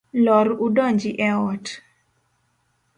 Lor u donji e ot.